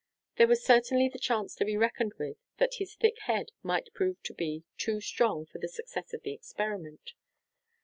There was certainly the chance to be reckoned with, that his thick head might prove to be too strong for the success of the experiment.